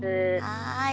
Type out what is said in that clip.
はい。